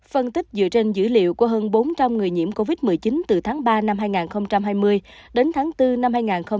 phân tích dựa trên dữ liệu của hơn bốn trăm linh người nhiễm covid một mươi chín từ tháng ba năm hai nghìn hai mươi đến tháng bốn năm hai nghìn hai mươi